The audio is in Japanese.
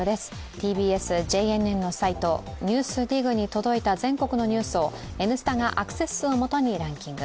ＴＢＳ・ＪＮＮのサイト「ＮＥＷＳＤＩＧ」に届いた全国のニュースを「Ｎスタ」がアクセス数をもとにランキング。